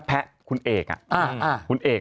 เพะคุณเอกค่ะ